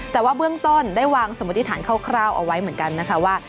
แต่ว่าเบื้องต้นได้วางสมมติฐานคร่าวเอาไว้เหมือนกันนะคะว่า